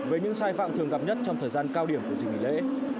với những sai phạm thường gặp nhất trong thời gian cao điểm của dịp nghỉ lễ